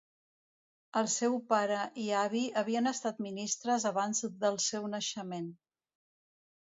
El seu pare i avi havien estat ministres abans del seu naixement.